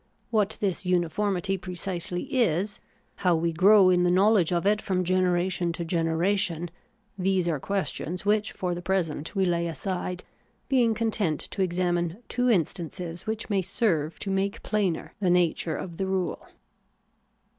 What this uniformity precisely is, how we grow in the knowledge of it from generation to generation, these are THE ETHICS OF BELIEF. 207 questions which for the present we lay aside, being content to examine two instances which may serve to make plainer the nature of the rule.